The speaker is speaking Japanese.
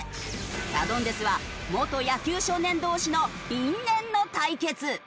サドンデスは元野球少年同士の因縁の対決！